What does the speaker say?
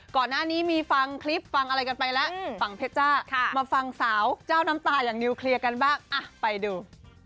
ก่อนหน้านี้มีฟังคลิปฟังอะไรกันไปแล้วฝั่งเพชรจ้ามาฟังสาวเจ้าน้ำตาอย่างนิวเคลียร์กันบ้างไปดู